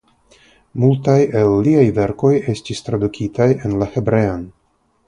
Multaj el liaj verkoj estis tradukitaj en la hebrean.